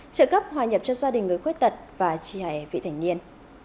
trợ cấp hòa nhập cho gia đình người khuếch tật và trì hại vị thành niên